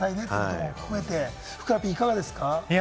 ふくらＰ、いかがですか？